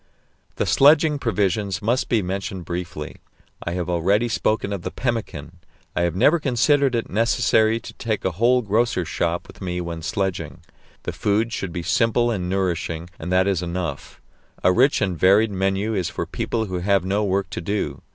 The sledging provisions must be mentioned briefly. I have already spoken of the pemmican. I have never considered it necessary to take a whole grocer's shop with me when sledging; the food should be simple and nourishing, and that is enough a rich and varied menu is for people who have no work to do.